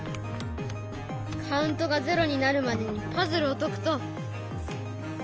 カウントが０になるまでにパズルを解くと。